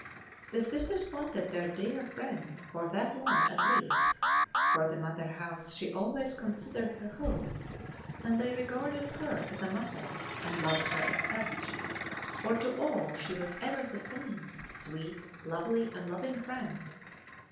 The Sisters wanted their dear friend for that long at least, for the mother house she always considered her home, and they regarded her as a mother and loved her as such, for to all she was ever the same sweet, lovely and loving friend.